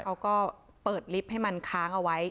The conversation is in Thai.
เขาก็เปิดลิฟต์ให้มันค้างเอาไว้